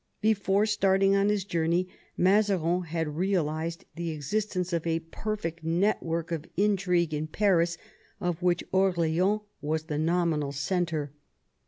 Before starting on his journey Mazarin had realised the existence of a perfect network of intrigues in Paris, of which Orleans was the nominal centre.